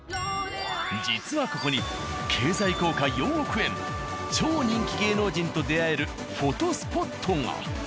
実はここに経済効果４億円超人気芸能人と出会えるフォトスポットが。